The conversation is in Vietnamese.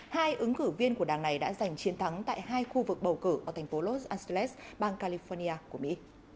hai ứng cử viên của đảng này đã giành chiến thắng tại hai khu vực bầu cử ở thành phố los angeles bang california của mỹ